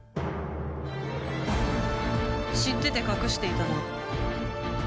知ってて隠していたな。